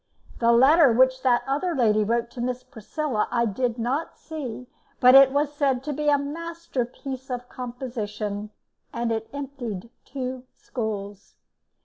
The letter which that other lady wrote to Miss Priscilla I did not see, but it was said to be a masterpiece of composition, and it emptied two schools.